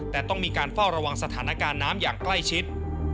แต่ต้องมีการเฝ้าระวังสถานการณ์น้ำอย่างใกล้ชิด